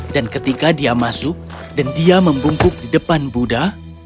dan ketika dia masuk dan dia membungkuk di depan buddha